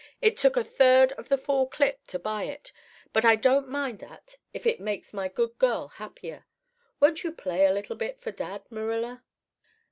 It took a third of the fall clip to buy it; but I don't mind that if it makes my good girl happier. Won't you play a little bit for dad, Marilla?